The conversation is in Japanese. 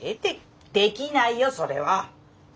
できないよそれは。